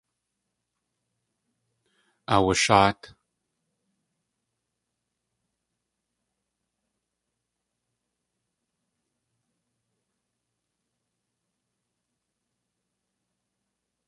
Aawasháat.